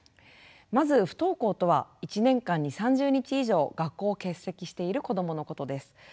まず不登校とは１年間に３０日以上学校を欠席している子どものことです。